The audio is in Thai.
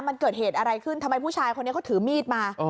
มันเกิดเหตุอะไรขึ้นทำไมผู้ชายคนนี้เขาถือมีดมา